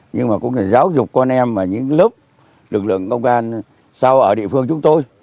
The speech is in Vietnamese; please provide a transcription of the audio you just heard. nhưng cũng giáo dục con em và những lớp lực lượng công an sau ở địa phương chúng tôi